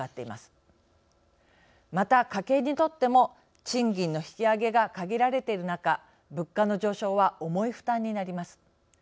また家計にとっても賃金の引き上げが限られている中物価の上昇は重い負担になります。